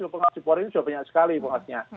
pengawas di polri ini sudah banyak sekali pengawasnya